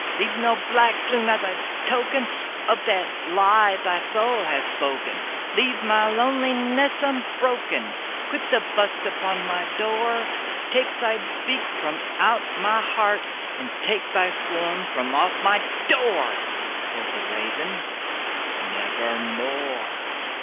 Leave no black plume as a token of that lie thy soul hath spoken! Leave my loneliness unbroken!—quit the bust above my door! Take thy beak from out my heart, and take thy form from off my door!" Quoth the Raven, "Nevermore."